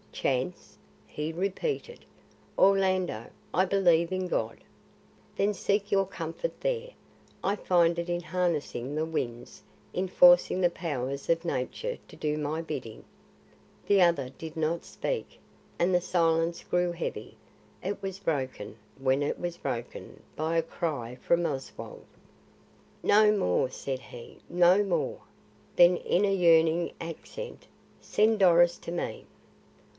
"Chance?" he repeated. "Orlando, I believe in God." "Then seek your comfort there. I find it in harnessing the winds; in forcing the powers of nature to do my bidding." The other did not speak, and the silence grew heavy. It was broken, when it was broken, by a cry from Oswald: "No more," said he, "no more." Then, in a yearning accent, "Send Doris to me."